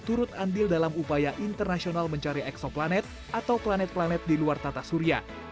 turut andil dalam upaya internasional mencari eksoplanet atau planet planet di luar tata surya